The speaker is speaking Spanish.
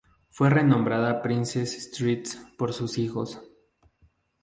Fue renombrada Princes Street por sus hijos.